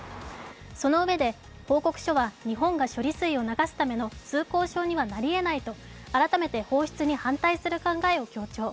そのうえで、報告書は日本が処理水を流すための通行証にはなりえないと改めて放出に反対する考えを強調。